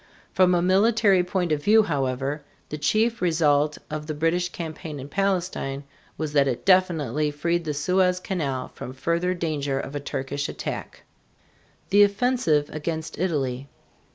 From a military point of view, however, the chief result of the British campaign in Palestine was that it definitely freed the Suez Canal from further danger of a Turkish attack. THE OFFENSIVE AGAINST ITALY.